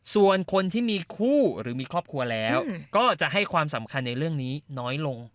ส่วนคนที่มีคู่หรือมีครอบครัวแล้วก็จะให้ความสำคัญในเรื่องนี้น้อยลง